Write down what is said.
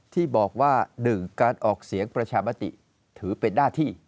ที่บอกว่า๑การออกเสียงประชามติถือเป็นหน้าที่